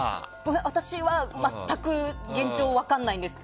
私は全く現状がわからないんです。